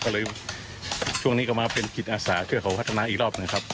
ก็เลยช่วงนี้ก็มาเป็นจิตอาสาเพื่อเขาพัฒนาอีกรอบหนึ่งครับ